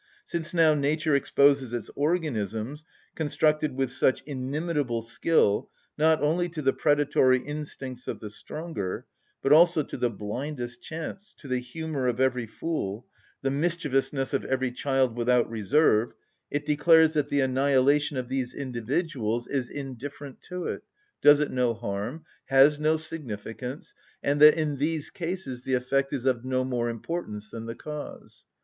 Since now nature exposes its organisms, constructed with such inimitable skill, not only to the predatory instincts of the stronger, but also to the blindest chance, to the humour of every fool, the mischievousness of every child without reserve, it declares that the annihilation of these individuals is indifferent to it, does it no harm, has no significance, and that in these cases the effect is of no more importance than the cause.